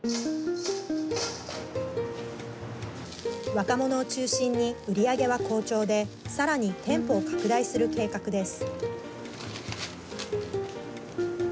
若者を中心に売り上げは好調でさらに店舗を拡大する計画です。